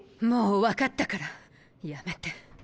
もう分かったからやめて。